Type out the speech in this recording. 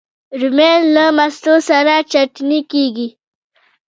رومیان له مستو سره چټني کېږي